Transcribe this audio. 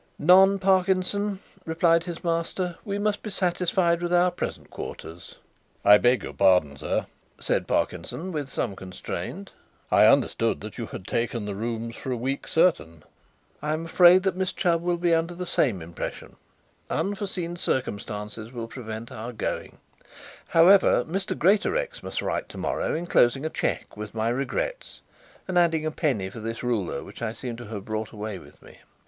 "None, Parkinson," replied his master. "We must be satisfied with our present quarters." "I beg your pardon, sir," said Parkinson, with some constraint. "I understand that you had taken the rooms for a week certain." "I am afraid that Miss Chubb will be under the same impression. Unforeseen circumstances will prevent our going, however. Mr. Greatorex must write to morrow, enclosing a cheque, with my regrets, and adding a penny for this ruler which I seem to have brought away with me.